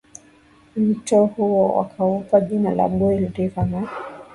mto huo wakaupa jina la Boil River na